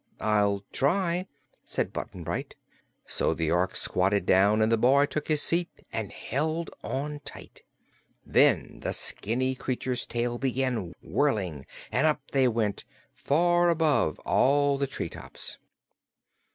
"I'll try," said Button Bright. So the Ork squatted down and the boy took his seat and held on tight. Then the skinny creature's tail began whirling and up they went, far above all the tree tops.